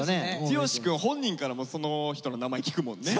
剛くん本人からもその人の名前聞くもんね。